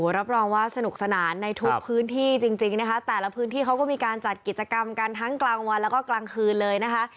รับรองว่าสนุกสนานในทุกพื้นที่จริงนะคะแต่ละพื้นที่เขาก็มีการจัดกิจกรรมกันทั้งกลางวันแล้วก็กลางคืนเลยนะคะ